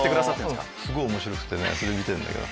すごい面白くてねそれ見てるんだけど。